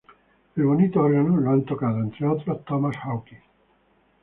El bonito órgano lo han tocado, entre otros, Thomas Hawkes.